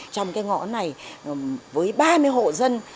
trong cái ngõ này với ba mươi hộ dân